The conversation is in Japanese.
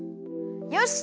よし！